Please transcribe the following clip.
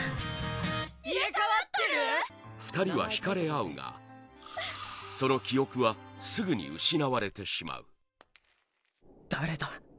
２人は引かれ合うがその記憶はすぐに失われてしまう瀧：誰だ。